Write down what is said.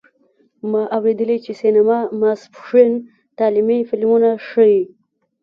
ما اوریدلي چې سینما ماسپښین تعلیمي فلمونه ښیې